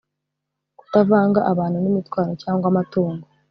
kutavanga abantu n’ imitwaro cyangwa amatungo